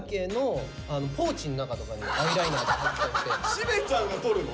しめちゃんがとるの？